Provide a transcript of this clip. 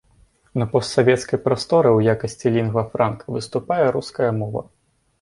На постсавецкай прасторы ў якасці лінгва франка выступае руская мова.